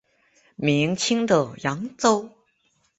明清的扬州。